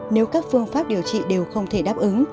nếu các phương pháp điều trị đều không thể đáp ứng